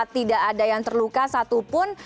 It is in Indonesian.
tidak ada yang terluka satupun